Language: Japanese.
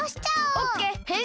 オッケー！